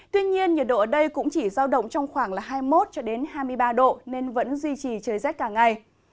tuy nhiên nhiệt độ ở đây cũng chỉ giao động trong khoảng hai mươi một hai mươi ba độ nên vẫn duy trì trời rét cả ngày